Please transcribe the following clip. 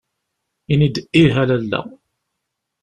Ini-d ih a lalla.